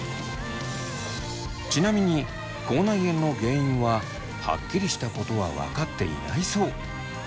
ちなみに口内炎の原因ははっきりしたことは分かっていないそう。